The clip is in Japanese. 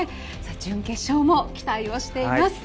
準決勝も期待をしています。